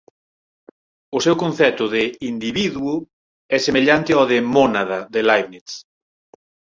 O seu concepto de ""individuo"" é semellante ao de ""mónada"" de Leibniz.